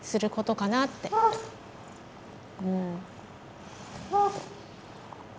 うん。